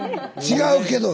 違うけど。